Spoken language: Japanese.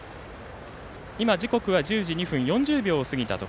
今、時刻は１０時２分４０秒を過ぎました。